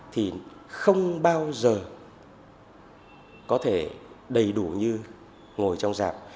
thì không bao giờ có thể đầy đủ như ngồi trong giảm